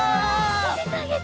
みせてあげて。